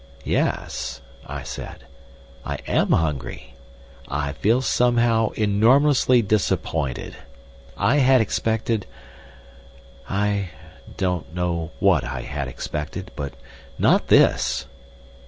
"Yes," I said, "I am hungry. I feel somehow enormously disappointed. I had expected—I don't know what I had expected, but not this."